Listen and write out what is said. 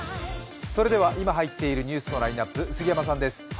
それでは今入っているニュースのラインナップ杉山さんです。